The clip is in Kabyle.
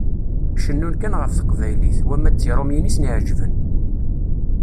Cennun kan ɣef Teqbaylit, wamma d Tiṛumiyin i sen-iɛeǧben.